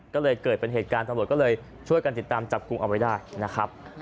ก็เลยเกิดเป็นเหตุการณ์ตำรวจก็เลยช่วยกันติดตามจับกลุ่มเอาไว้ได้นะครับ